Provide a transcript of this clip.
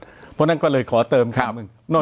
เพราะฉะนั้นก็เลยขอเติมครั้งหนึ่ง